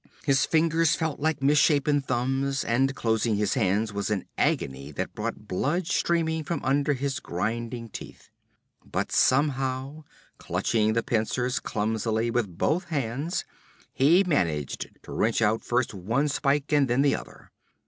His fingers felt like misshapen thumbs, and closing his hands was an agony that brought blood streaming from under his grinding teeth. But somehow, clutching the pincers clumsily with both hands, he managed to wrench out first one spike and then the other.